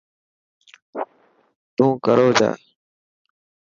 تون ڪرو جا.